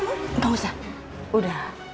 gak usah udah